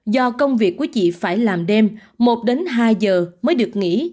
do công việc của chị phải làm đêm một đến hai giờ mới được nghỉ